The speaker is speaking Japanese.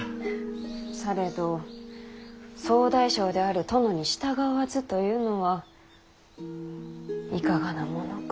されど総大将である殿に従わずというのはいかがなものか。